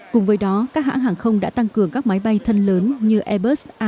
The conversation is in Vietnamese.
cùng với đó các hãng hàng không đã tăng cường các máy bay thân lớn như airbus a ba trăm năm mươi